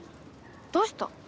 どうした？